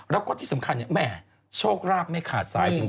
แล้วก็ที่สำคัญแหม่โชคราบไม่ขาดสายจริง